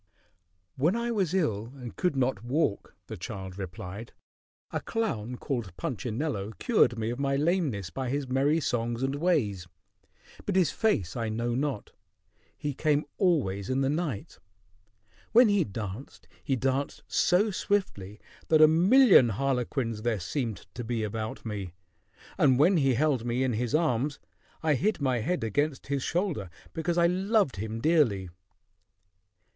"When I was ill and could not walk," the child replied, "a clown called Punchinello cured me of my lameness by his merry songs and ways; but his face I know not. He came always in the night. When he danced, he danced so swiftly that a million harlequins there seemed to be about me: and when he held me in his arms, I hid my head against his shoulder, because I loved him dearly."